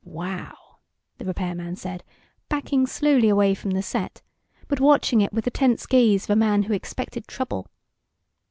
"Wow," the repairman said, backing slowly away from the set, but watching it with the tense gaze of a man who expected trouble.